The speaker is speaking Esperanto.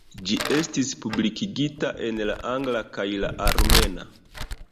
Ĝi estis publikigita en la angla kaj la armena.